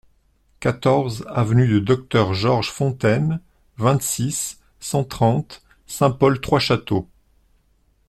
quatorze avenue du Docteur Georges Fontaine, vingt-six, cent trente, Saint-Paul-Trois-Châteaux